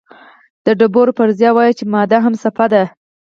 د دوبروی فرضیه وایي چې ماده هم څپه ده.